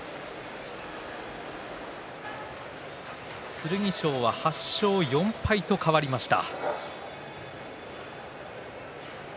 剣翔は８勝４敗と変わりました。